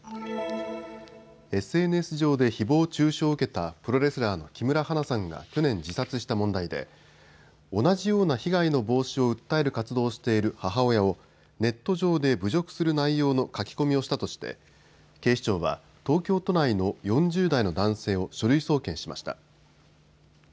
ＳＮＳ上でひぼう中傷を受けたプロレスラーの木村花さんが去年、自殺した問題で同じような被害の防止を訴える活動をしている母親をネット上で侮辱する内容の書き込みをしたとして警視庁は東京都内の４０代の男性を書類送検しました。